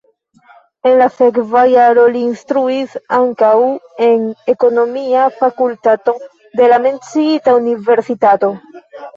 En la sekva jaro li instruis ankaŭ en ekonomia fakultato de la menciita universitato.